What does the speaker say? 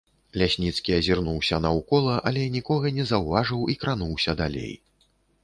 Лясніцкі азірнуўся наўкола, але нікога не заўважыў і крануўся далей.